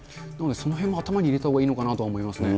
そのへんも頭に入れたほうがいいのかなと思いますね。